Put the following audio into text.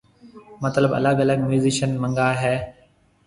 مطلب الگ الگ ميوزيشن منگاوي ھيَََ